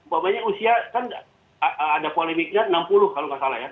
pokoknya usia kan ada polemiknya enam puluh kalau nggak salah ya